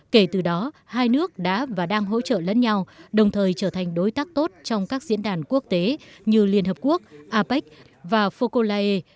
kể từ đó hai nước đã và đang hỗ trợ lẫn nhau đồng thời trở thành đối tác tốt trong các diễn đàn quốc tế như liên hợp quốc apec và fokolair